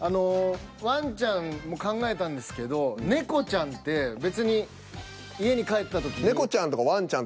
ワンちゃんも考えたんですけどネコちゃんって別に家に帰った時に。